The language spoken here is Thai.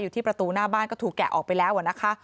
ที่ประตูหน้าบ้านก็ถูกแกะออกไปแล้วนะคะ